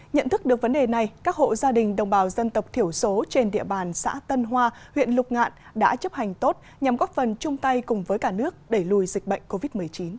nhận thức được vấn đề này các hộ gia đình đồng bào dân tộc thiểu số trên địa bàn xã tân hoa huyện lục ngạn đã chấp hành tốt nhằm góp phần chung tay cùng với cả nước đẩy lùi dịch bệnh covid một mươi chín